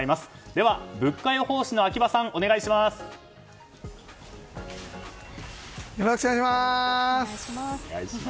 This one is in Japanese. では、物価予報士の秋葉さんよろしくお願いします。